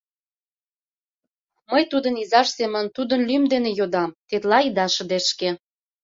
Мый тудын изаж семын тудын лӱм дене йодам: тетла ида шыдешке.